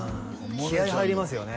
気合入りますよね